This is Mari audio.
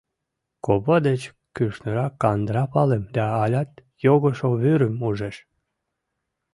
Копа деч кӱшнырак кандыра палым да алят йогышо вӱрым ужеш.